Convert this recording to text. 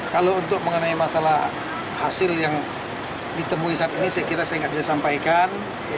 kalau untuk mengenai masalah hasil yang ditemui saat ini saya kira saya nggak bisa sampaikan